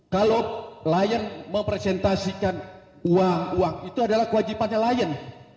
kalau lion mempresentasikan uang uang itu adalah kewajibannya lion